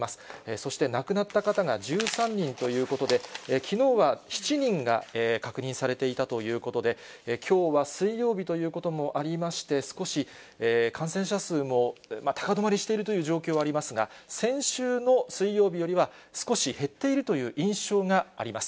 そして、亡くなった方が１３人ということで、きのうは、７人が確認されていたということで、きょうは水曜日ということもありまして、少し感染者数も高止まりしているという状況はありますが、先週の水曜日よりは、少し減っているという印象があります。